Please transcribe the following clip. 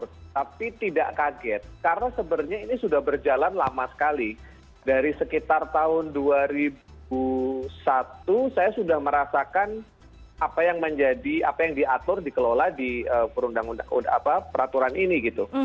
tapi tidak kaget karena sebenarnya ini sudah berjalan lama sekali dari sekitar tahun dua ribu satu saya sudah merasakan apa yang menjadi apa yang diatur dikelola di peraturan ini gitu